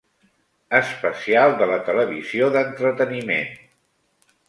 Especial de la televisió d'entreteniment.